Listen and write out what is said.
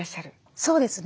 そうですね。